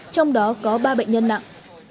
trong đó có ba bệnh nhân nặng